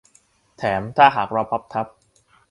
แถมถ้าหากเราพับทับ